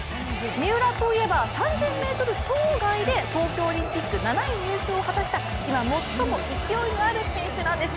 三浦といえば、３０００ｍ障害で東京オリンピック７位入賞を果たした今、最も勢いのある選手なんです。